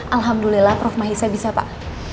alhamdulillah prof mahisa bisa pak